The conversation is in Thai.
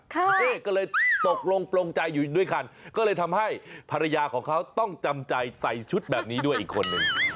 ก็เลยตกลงปลงใจอยู่ด้วยกันก็เลยทำให้ภรรยาของเขาต้องจำใจใส่ชุดแบบนี้ด้วยอีกคนนึง